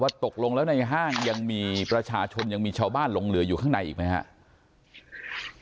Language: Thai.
ว่าตกลงแล้วในห้างยังมีตัวชาชนยังมีชาวบ้านหลงเหลืออยู่ข้างในไหมฮะ